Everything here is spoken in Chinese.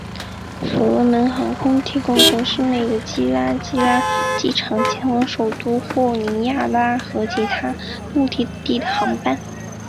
所罗门航空提供从市内的基拉基拉机场前往首都霍尼亚拉和其他目的地的航班。